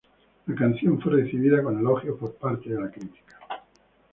La canción fue recibida con elogios por parte de la crítica.